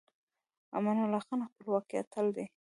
امان الله خان د خپلواکۍ اتل دی.